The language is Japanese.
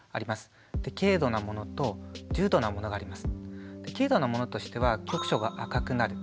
軽度なものと重度なものがあります。